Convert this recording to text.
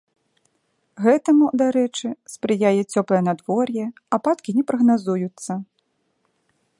Гэтаму, дарэчы, спрыяе цёплае надвор'е, ападкі не прагназуюцца.